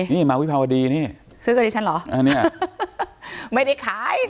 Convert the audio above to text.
นี่มาวิภาวดีซื้อกระดิษฐ์ฉันเหรอไม่ได้ขาย